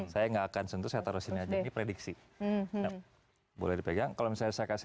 saya nggak akan sentuh saya terus di sini prediksi boleh dipegang kalau saya kasih